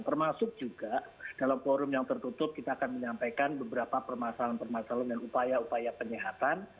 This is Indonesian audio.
termasuk juga dalam forum yang tertutup kita akan menyampaikan beberapa permasalahan permasalahan dan upaya upaya penyihatan